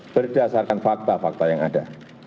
berdasarkan fakta fakta yang ada